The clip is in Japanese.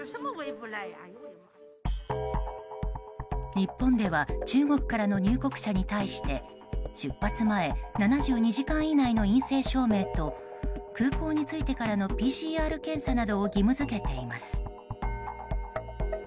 日本では中国からの入国者に対して出発前７２時間以内の陰性証明と空港に着いてからのＰＣＲ検査などを義務付けています。